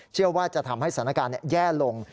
เชื่อว่าจะทำให้สถานการณ์แย่ลง